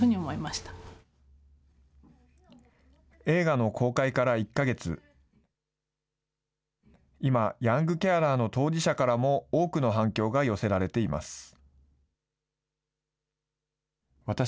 映画の公開から１か月、今、ヤングケアラーの当事者からも多くの反響が寄せられています。